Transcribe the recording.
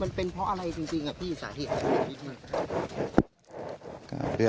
มันเป็นเพราะอะไรจริงพี่สาเหตุ